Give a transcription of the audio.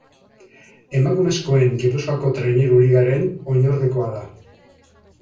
Emakumezkoen Gipuzkoako Traineru Ligaren oinordekoa da.